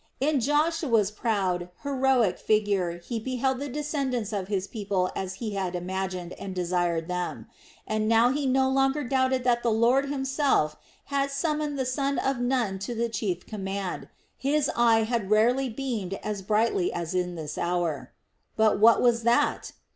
In Joshua's proud, heroic figure he beheld the descendants of his people as he had imagined and desired them, and now he no longer doubted that the Lord Himself had summoned the son of Nun to the chief command. His eye had rarely beamed as brightly as in this hour. But what was that?